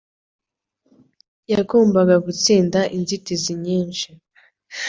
Yagombaga gutsinda inzitizi nyinshi.